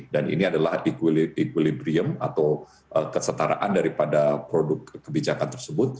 dan ini adalah equilibrium atau kesetaraan daripada produk kebijakan tersebut